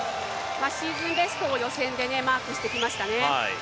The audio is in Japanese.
シーズンベストを予選でマークしてきましたね。